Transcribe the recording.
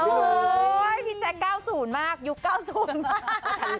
โอ้โฮพี่แจ๊คเก้าศูนย์มากยุคเก้าศูนย์มาก